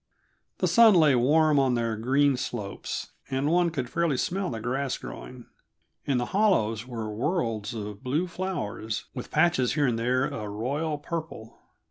The sun lay warm on their green slopes, and one could fairly smell the grass growing. In the hollows were worlds of blue flowers, with patches here and there a royal purple.